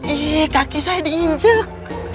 ih kaki saya diinjek